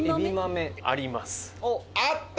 あった！